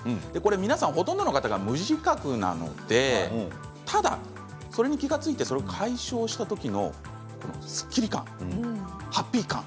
皆さん、ほとんどの方が無自覚なのでただ、それに気が付いてそれを解消した時のすっきり感、ハッピー感